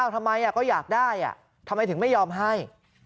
ทำไมก็อยากได้ทำไมถึงไม่ยอมให้